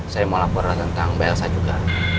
saya mau lapor tentang bayel sa juga